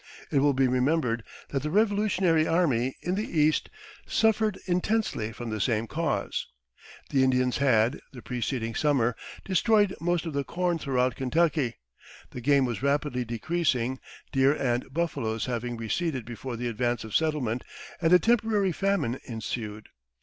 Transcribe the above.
It will be remembered that the Revolutionary Army in the East suffered intensely from the same cause. The Indians had, the preceding summer, destroyed most of the corn throughout Kentucky; the game was rapidly decreasing, deer and buffaloes having receded before the advance of settlement, and a temporary famine ensued.